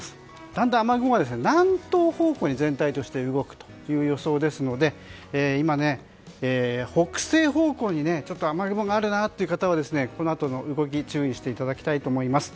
だんだん雨雲が南東方向に全体として動くという予想ですので今、北西方向に雨雲があるなということでこのあとの動きに注意していただきたいと思います。